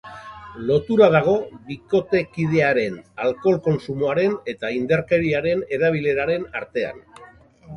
Lotura dago bikotekidearen alkohol kontsumoaren eta indarkeriaren erabileraren artean.